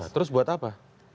terus buat apa